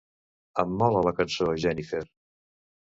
Em mola la cançó "Jenifer".